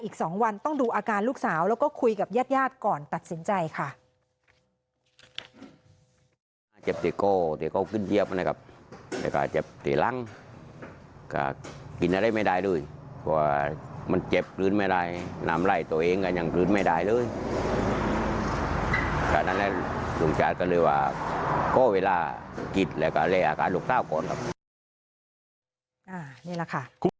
ก็กินอะไรไม่ได้ด้วยเพราะว่ามันเจ็บหรือไม่ได้น้ำไล่ตัวเองก็ยังคืนไม่ได้เลยจากนั้นลูกชาติก็เลยว่าโค่เวลากินแล้วก็เลยอาการลูกสาวก่อนครับนี่แหละค่ะ